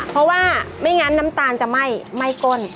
เพราะว่าไม่งั้นน้ำตาลจะไหม้ก้น